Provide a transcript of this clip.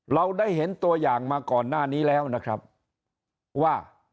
เราได้เห็นตัวอย่างมาก่อนหน้านี้แล้วนะครับว่า